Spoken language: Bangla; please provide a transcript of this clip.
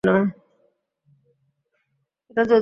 এটা যদিও তেমন জরুরি নয়।